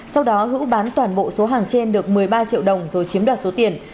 sau đó hữu bán toàn bộ số hàng trên được một mươi ba triệu đồng rồi chiếm đoạt số tiền